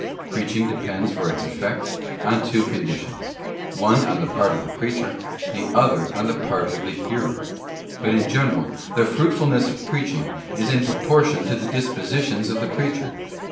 Preaching depends for its effects on two conditions: one on the part of the preacher, the other on the part of the hearer: but in general the fruitfulness of preaching is in proportion with the dispositions of the preacher.